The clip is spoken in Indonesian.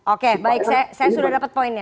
oke baik saya sudah dapat poinnya